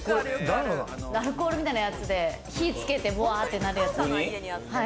アルコールみたいなやつで火つけて、ぼわってなるやつ。